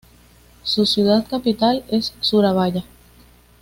Su ciudad capital es Surabaya.